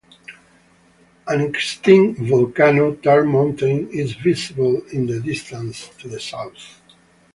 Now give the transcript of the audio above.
An extinct volcano, Tern Mountain, is visible in the distance to the south.